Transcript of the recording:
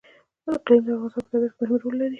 اقلیم د افغانستان په طبیعت کې مهم رول لري.